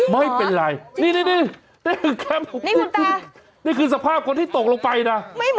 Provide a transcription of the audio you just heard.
ไม่เหมือนสภาพคุณตา